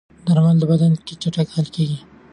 درمل د بدن کې چټک حل کېږي.